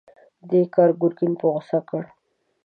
دې کار ګرګين په غوسه کړ.